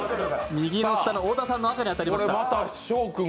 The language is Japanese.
右の下の太田さんの赤に当たりました。